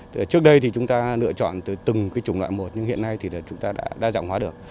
trước đây chúng ta lựa chọn từ từng chủng loại một nhưng hiện nay chúng ta đã đa dạng hóa được